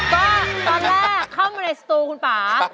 ก็ตอนแรกเข้ามาในสตูคุณป่า